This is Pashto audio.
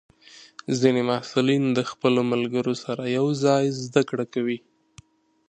ځینې محصلین د خپلو ملګرو سره یوځای زده کړه کوي.